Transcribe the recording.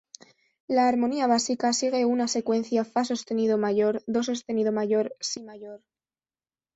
La armonía básica sigue una secuencia fa sostenido mayor-do sostenido mayor-si mayor.